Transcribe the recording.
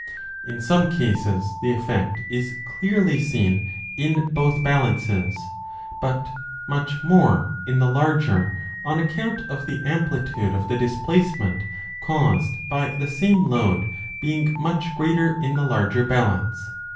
In some cases the effect is clearly seen in both balances, but much more in the larger on account of the amplitude of the displacement caused by the same 35 load being much greater in the larger balance.